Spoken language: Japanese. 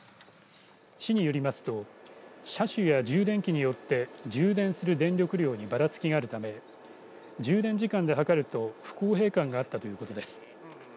市によりますと車種や充電器によって充電する電力量にばらつきがあるため充電時間で計ると不公平感があったということです。